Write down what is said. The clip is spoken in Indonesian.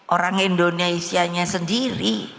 orang indonesia nya sendiri